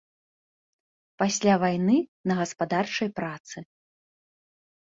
Пасля вайны на гаспадарчай працы.